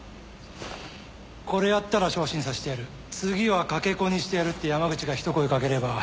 これやったら昇進させてやる次は掛け子にしてやるって山口がひと声かければ。